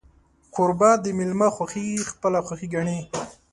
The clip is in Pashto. کوربه د میلمه خوښي خپله خوښي ګڼي.